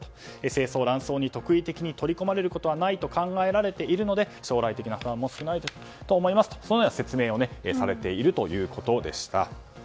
精巣や卵巣に特異的に取り込まれることはないと考えられているので将来的な不安も少ないと思いますという説明をされているということでした。